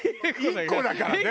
１個だからね。